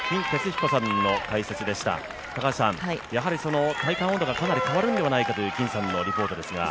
やはり体感温度がかなり変わるのではないかというリポートでした。